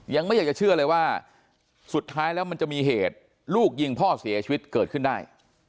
ยังไม่อยากจะเชื่อเลยว่าสุดท้ายแล้วมันจะมีเหตุลูกยิงพ่อเสียชีวิตเกิดขึ้นได้